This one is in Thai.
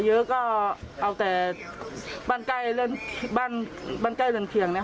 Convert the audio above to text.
เยอะก็เอาแต่บ้านใกล้เลินบ้านบ้านใกล้เลินเคียงนะคะ